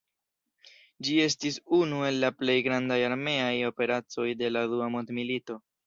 Ĝi estis unu el la plej grandaj armeaj operacoj de la Dua mondmilito.